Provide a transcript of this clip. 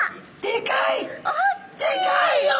でかいよ！